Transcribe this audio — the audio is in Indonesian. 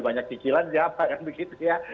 banyak cicilan siapa kan begitu ya